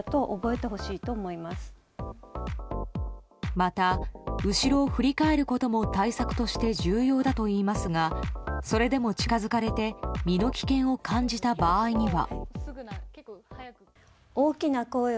また、後ろを振り返ることも対策として重要だといいますがそれでも近づかれて身の危険を感じた場合には。